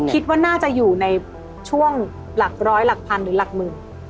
คิดว่าน่าจะอยู่ในช่วงหลักร้อยหลักพันหรือหลักหมื่น